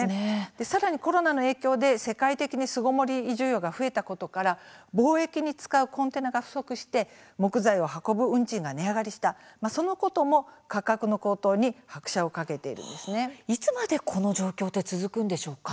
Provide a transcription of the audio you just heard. さらにコロナの影響で世界的に巣ごもり需要が増えたことから貿易に使うコンテナが不足して木材を運ぶ運賃が値上がりしたそのことも価格の高騰に拍車をかけています。